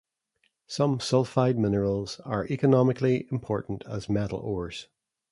Some sulfide minerals are economically important as metal ores.